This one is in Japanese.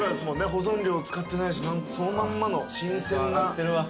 保存料を使ってないしそのまんまの新鮮な。